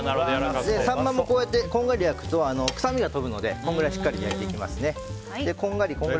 サンマもこうやってこんがり焼くと臭みが飛ぶので、このくらいしっかり焼いていきます。